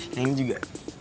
yang ini juga